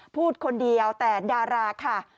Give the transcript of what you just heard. พูดคนเดียวแต่ดาราค่ะ